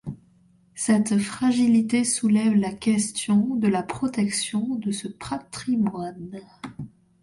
Cette fragilité soulève la question de la protection de ce patrimoine.